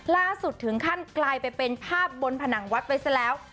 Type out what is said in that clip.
ล่าสุดถึงขั้นกลายไปเป็นภาพบนผนังวัดไปซะแล้ว